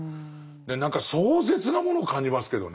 何か壮絶なものを感じますけどね。